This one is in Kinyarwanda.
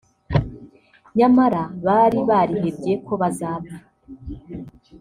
nyamara bari barihebye ko bazapfa